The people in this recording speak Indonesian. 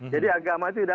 jadi agama itu